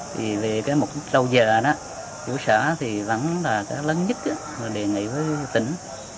vì về cái mục lâu giờ đó chủ xã thì vẫn là cái lớn nhất mà đề nghị với tỉnh